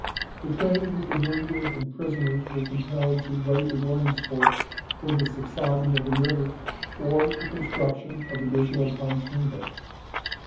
The trains with the wounded and prisoners were compelled to wait at Williamsport for the subsiding of the river or the construction of additional pontoon boats.